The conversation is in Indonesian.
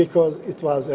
karena itu adalah